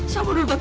sama dulu tante